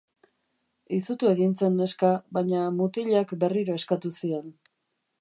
Izutu egin zen neska, baina mutilak berriro eskatu zion.